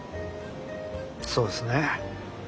そうですね。